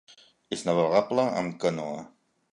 És navegable amb canoa.